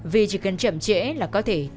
vì chỉ cần chậm trễ là có thể